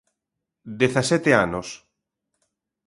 Dezasete anos.